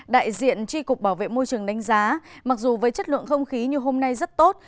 đại diện tri cục bảo vệ môi trường đánh giá mặc dù với chất lượng không khí như hôm nay rất tốt